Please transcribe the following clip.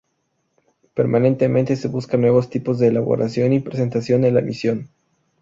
Permanentemente se buscan nuevos tipos de elaboración y presentación de la emisión.